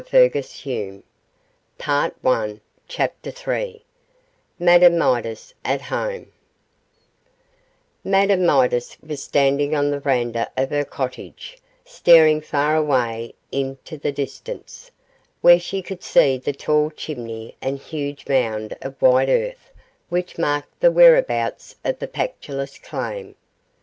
That is "Mr Right".' CHAPTER III MADAME MIDAS AT HOME Madame Midas was standing on the verandah of her cottage, staring far away into the distance, where she could see the tall chimney and huge mound of white earth which marked the whereabouts of the Pactolus claim.